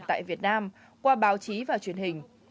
tại việt nam qua báo chí và truyền hình